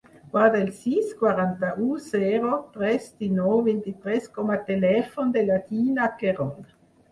Guarda el sis, quaranta-u, zero, tres, dinou, vint-i-tres com a telèfon de la Dina Querol.